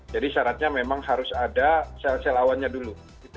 jadi syaratnya memang harus ada salsel awannya dulu